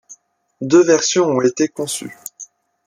Deux versions ont été conçues.